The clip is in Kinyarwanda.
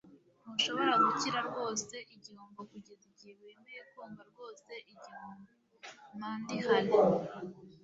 ntushobora gukira rwose igihombo kugeza igihe wemeye kumva rwose igihombo - mandy hale